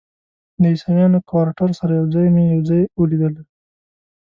د عیسویانو کوارټر سره یو ځای مې یو ځای ولیدل.